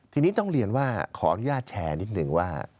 ทีนี้ต้องเรียนว่าขออนุญาตแชร์นิดนึงว่า